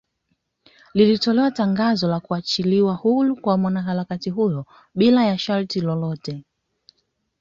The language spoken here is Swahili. Lilitolewa tangazo la kuachiliwa huru kwa mwanaharakati huyo bila ya masharti yoyote